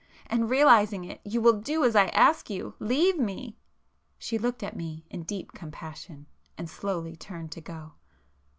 —and realizing it, you will do as I ask you,—leave me!" She looked at me in deep compassion, and slowly turned to go.